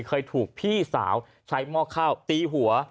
เคยถูกพี่สาวใช้หม้อข้าวตีหัว